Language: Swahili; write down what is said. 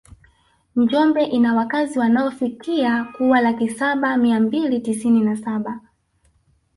Njombe ina wakazi wanaofikia kuwa laki saba mia mbili tisini na saba